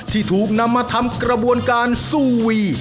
ที่ถูกนำมาทำกระบวนการซูวี